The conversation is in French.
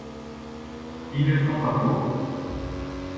Ils ne sont pas fous ?